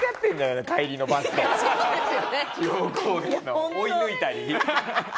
追い抜いたり。